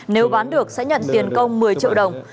nếu bán được sẽ nhận tiền công một mươi triệu đồng